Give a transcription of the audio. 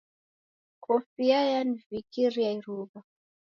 Kofia yanivikiria iruw'a